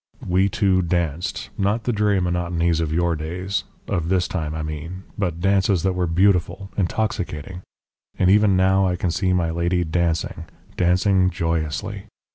We two danced, not the dreary monotonies of your days of this time, I mean but dances that were beautiful, intoxicating. And even now I can see my lady dancing dancing joyously.